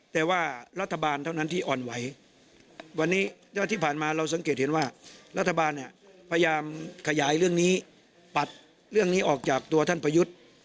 แต่ว่ารัฐบาลเท่านั้นที่อ่อนไหววันนี้แล้วที่ผ่านมาเราสังเกตเห็นว่ารัฐบาลเนี่ยพยายามขยายเรื่องนี้ปัดเรื่องนี้ออกจากตัวท่านประยุทธ์